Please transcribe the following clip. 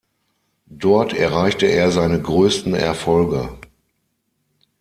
Dort erreichte er seine größten Erfolge.